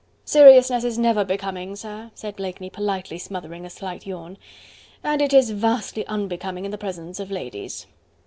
"Seriousness is never becoming, sir," said Blakeney, politely smothering a slight yawn, "and it is vastly unbecoming in the presence of ladies."